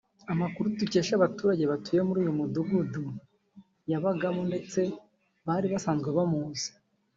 Amakuru dukesha abaturage batuye muri uyu mudugudu yabagamo ndetse bari basanzwe bamuzi